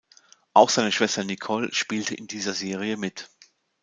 Auch seine Schwester Nicole spielte in dieser Serie mit.